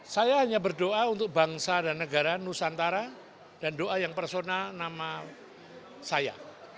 saya hanya berdoa untuk bangsa dan negara nusantara dan doa yang personal nama saya